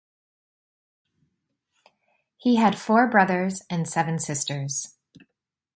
He had four brothers and seven sisters.